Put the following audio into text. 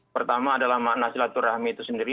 pertama adalah makna silaturahmi itu sendiri